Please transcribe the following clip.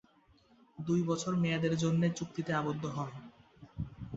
দুই বছর মেয়াদের জন্যে চুক্তিতে আবদ্ধ হন।